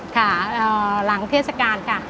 ค่ะหลังเทศกาลค่ะ